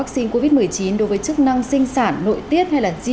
xin chào và hẹn gặp lại